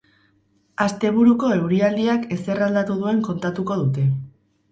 Asteburuko eurialdiak ezer aldatu duen kontatuko dute.